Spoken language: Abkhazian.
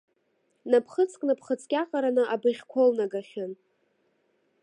Наԥхыцк-наԥхыцк иаҟараны абӷьқәа ылнагахьан.